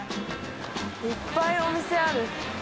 いっぱいお店ある。